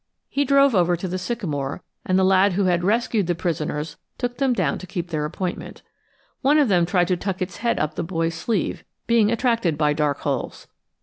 He drove over to the sycamore, and the lad who had rescued the prisoners took them down to keep their appointment. One of them tried to tuck its head up the boy's sleeve, being attracted by dark holes.